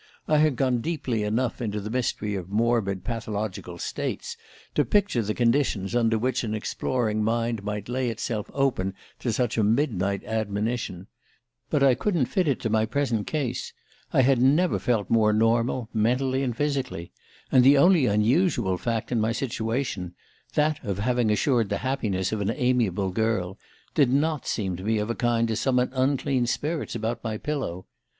I had gone deeply enough into the mystery of morbid pathological states to picture the conditions under which an exploring mind might lay itself open to such a midnight admonition; but I couldn't fit it to my present case. I had never felt more normal, mentally and physically; and the only unusual fact in my situation that of having assured the happiness of an amiable girl did not seem of a kind to summon unclean spirits about my pillow.